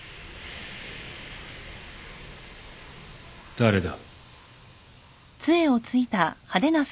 誰だ？